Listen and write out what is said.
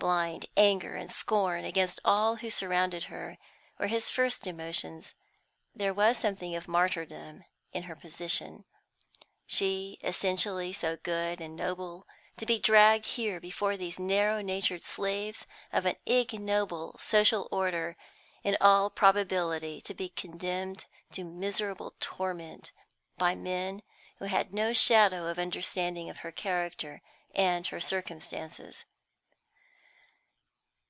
Blind anger and scorn against all who surrounded her were his first emotions; there was something of martyrdom in her position; she, essentially so good and noble, to be dragged here before these narrow natured slaves of an ignoble social order, in all probability to be condemned to miserable torment by men who had no shadow of understanding of her character and her circumstances.